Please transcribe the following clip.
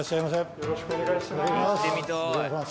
よろしくお願いします。